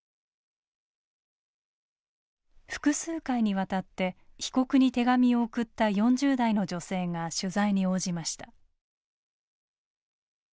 複数回にわたって被告に手紙を送った４０代の女性が取材に応じました。